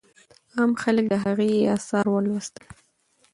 عام خلک د هغې آثار ولوستل.